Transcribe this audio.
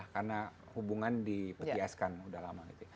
karena hubungan di petieskan udah lama